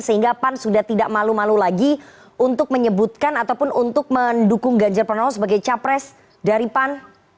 sehingga pan sudah tidak malu malu lagi untuk menyebutkan ataupun untuk mendukung ganjar pranowo sebagai capres dari pan